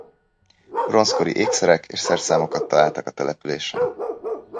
Bronzkori ékszerek és szerszámokat találtak a településen.